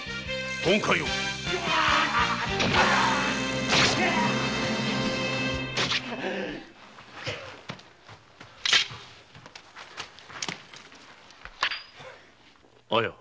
本懐を綾。